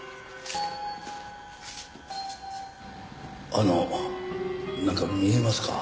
あのなんか見えますか？